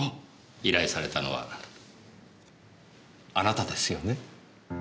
依頼されたのはあなたですよね？